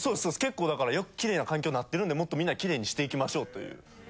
結構だからキレイな環境になってるんでもっとみんなキレイにしていきましょうという。